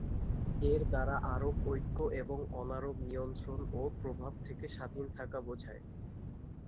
এর দ্বারা আরব ঐক্য এবং অনারব নিয়ন্ত্রণ ও প্রভাব থেকে স্বাধীন থাকা বোঝায়।